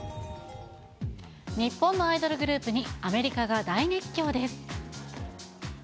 日本のアイドルグループにアメリカが大熱狂です。